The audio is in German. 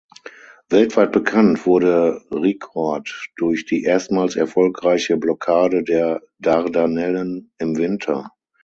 Weltweit bekannt wurde Rikord durch die erstmals erfolgreiche Blockade der Dardanellen im Winter.